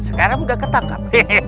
sekarang udah ketangkap